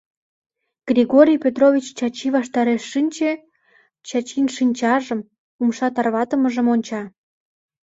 Григорий Петрович Чачи ваштареш шинче, Чачин шинчажым, умша тарватымыжым онча.